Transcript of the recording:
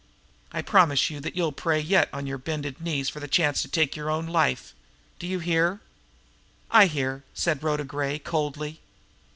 I promise you that you'll pray yet on your bended knees for the chance to take your own life! Do you hear?" "I hear," said Rhoda Gray coldly.